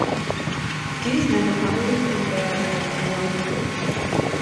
These men were probably from Brabant and the Low Countries.